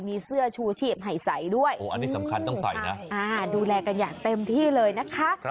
มีเสื้อชูชีพให้ใส่ด้วยโอ้อันนี้สำคัญต้องใส่นะดูแลกันอย่างเต็มที่เลยนะคะ